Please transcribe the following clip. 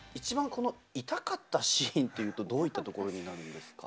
この痛かったシーンというと、どういったところになりますか？